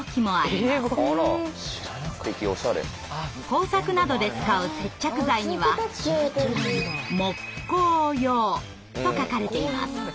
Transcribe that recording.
工作などで使う接着剤には「もっこーよー」と書かれています。